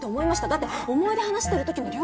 だって思い出話してるときの涼子さん